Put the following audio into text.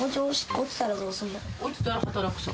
落ちたら働くさ。